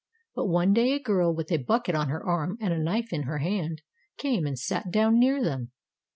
But one day a girl, with a bucket on her arm and a knife in her hand, came and sat down near them.